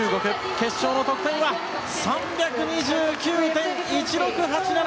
決勝の得点は３２９．１６８７。